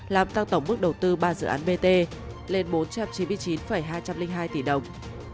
làm tăng tổng mức đầu tư ba dự án bt lên bốn trăm chín mươi chín hai trăm linh hai tỷ đồng